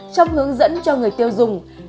trong hướng dẫn cho người tiêu dùng